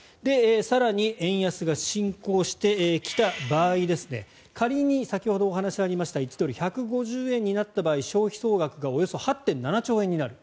更に、円安が進行してきた場合仮に先ほどお話がありました１ドル＝１５０円になった場合消費総額がおよそ８．７兆円になる。